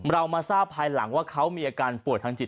เรามาทราบภายหลังว่าเขามีอาการป่วยทางจิต